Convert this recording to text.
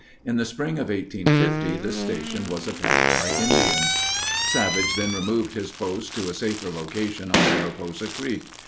In the spring of 1850 this station was attacked by Indians. Savage then removed his post to a safer location on Mariposa Creek.